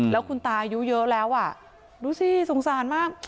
แล้วคุณตาอายุเยอะแล้วอ่ะดูสิสงสารมาก